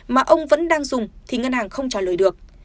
mà ông vẫn đang dùng thì ngân hàng không trả lời được